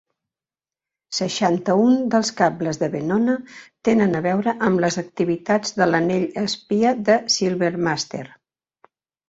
Seixanta-un dels cables de Venona tenen a veure amb les activitats de l'anell espia de Silvermaster.